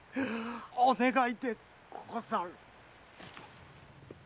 お願いでござる！